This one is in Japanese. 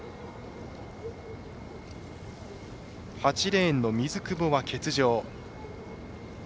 ８レーンの水久保は欠場。